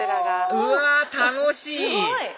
うわ楽しい！